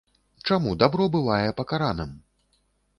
Чаму дабро бывае пакараным?